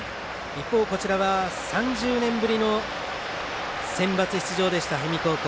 一方、こちらは３０年ぶりのセンバツ出場でした、氷見高校。